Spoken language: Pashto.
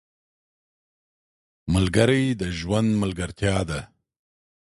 ملګري د ژوند ملګرتیا ده.